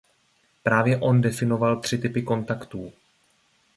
Právě on definoval tři typy kontaktů.